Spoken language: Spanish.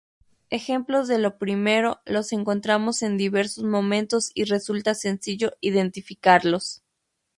Ejemplos de lo primero los encontramos en diversos momentos y resulta sencillo identificarlos.